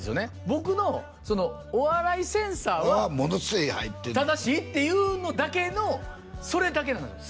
僕のお笑いセンサーははものすごい入ってる正しいっていうのだけのそれだけなんです